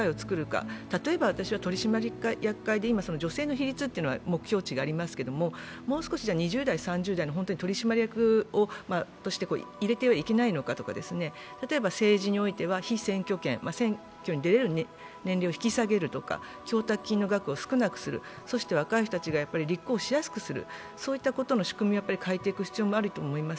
例えば、今、女性の比率というのは目標値がありますけれども、もう少し、２０代、３０代を取締役として入れてはいけないのかとか、例えば政治においては被選挙権、選挙に出れる年齢を引き下げるとか供託金の額を少なくする、若い人たちが立候補しやすくしていく、そういうことを変えていく必要もあると思います。